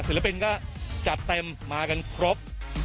ศิลปินก็จัดเต็มมากันครบ